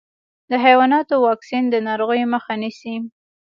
د حیواناتو واکسین د ناروغیو مخه نيسي.